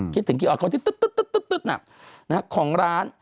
คิดถึงกี่อาวุธคนที่ตึ๊ดนะของร้าน